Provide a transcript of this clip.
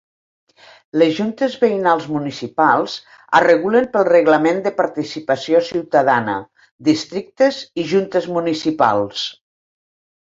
Les Juntes Veïnals Municipals es regulen pel Reglament de Participació Ciutadana, Districtes i Juntes Municipals.